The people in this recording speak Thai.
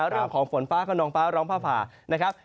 เรื่องของฝนฟ้าคระนางฟ้าร้องฟ่าผ่านะครับ